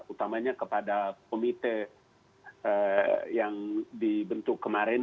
utamanya kepada komite yang dibentuk kemarin